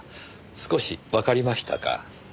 少しわかりましたか。